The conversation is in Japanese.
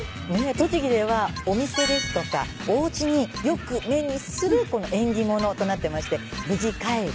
栃木ではお店ですとかおうちによく目にする縁起物となってまして「無事カエル」